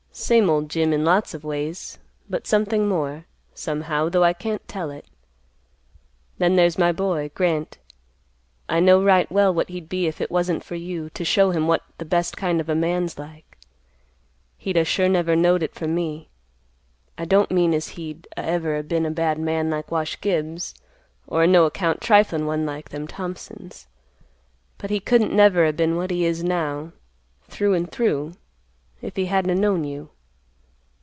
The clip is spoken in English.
Same old Jim in lots of ways, but something more, somehow, though I can't tell it. Then there's my boy, Grant. I know right well what he'd been if it wasn't for you to show him what the best kind of a man's like. He'd a sure never knowed it from me. I don't mean as he'd a ever been a bad man like Wash Gibbs, or a no account triflin' one, like them Thompsons, but he couldn't never a been what he is now, through and through, if he hadn't a known you.